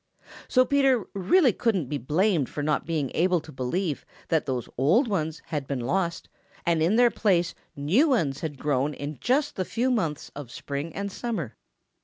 So Peter really couldn't be blamed for not being able to believe that those old ones had been lost and in their place new ones had grown in just the few months of spring and summer.